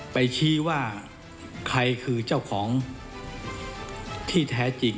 ชี้ว่าใครคือเจ้าของที่แท้จริง